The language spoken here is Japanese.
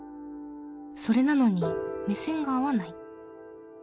それなのに目線が合わない？